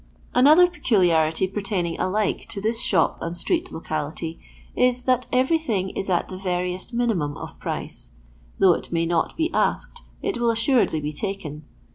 Another peculiarity pertaining alike to this shop and street locality is, that everything is at the veriest minimum of price ; though it may not be asked, it will assuredly be taken.